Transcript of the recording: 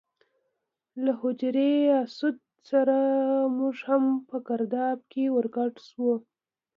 له حجر اسود سره موږ هم په ګرداب کې ور ګډ شو.